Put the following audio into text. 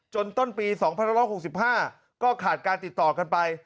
ต้นปี๒๑๖๕ก็ขาดการติดต่อกันไป